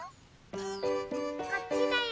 こっちだよ。